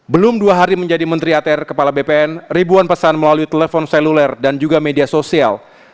belum dua hari menjadi menteri atr kepala bpn ribuan pesan melalui telepon seluler dan juga media sosial